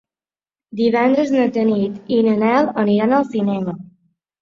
Divendres na Tanit i en Nel aniran al cinema.